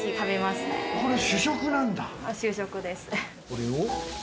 これを？